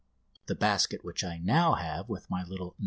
the basket which I now have with my little "No.